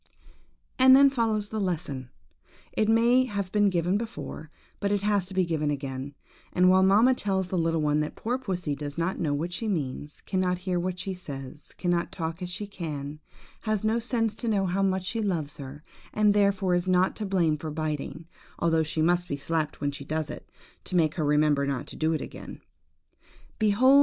.... And then follows the lesson:–it may have been given before, but it has to be given again; and while mamma tells her little one that poor pussy does not know what she means, cannot hear what she says, cannot talk as she can, has no sense to know how much she loves her, and therefore is not to blame for biting, although she must be slapped when she does it, to make her remember not to do it again;–behold!